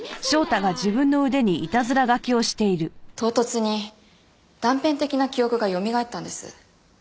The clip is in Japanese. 唐突に断片的な記憶がよみがえったんです。